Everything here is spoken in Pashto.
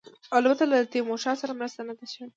البته له تیمورشاه سره مرسته نه ده شوې.